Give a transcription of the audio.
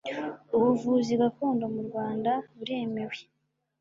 ubuvuzi gakondo mu rwanda buremewe